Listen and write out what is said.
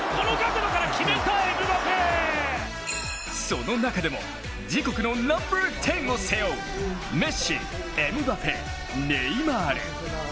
その中でも自国のナンバー１０を背負うメッシ、エムバペ、ネイマール。